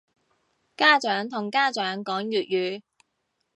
家長同家長講粵語